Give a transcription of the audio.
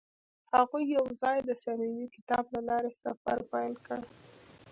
هغوی یوځای د صمیمي کتاب له لارې سفر پیل کړ.